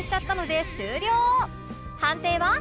判定は？